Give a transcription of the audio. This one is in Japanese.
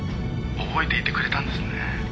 覚えていてくれたんですね？